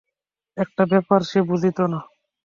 একটা ব্যাপার সে বুঝিত না।